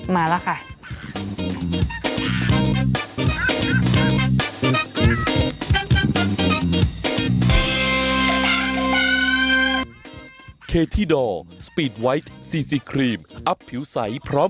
มาแล้วค่ะ